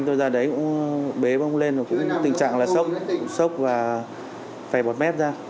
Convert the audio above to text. thôi ra đấy cũng bế bóng lên tình trạng là sốc sốc và phè bọt mép ra